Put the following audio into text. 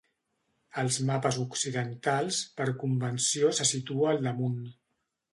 Als mapes occidentals, per convenció se situa al damunt.